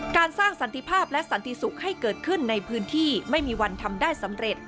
การสร้างสันติภาพและสันติสุขให้เกิดขึ้นในพื้นที่ไม่มีวันทำได้สำเร็จ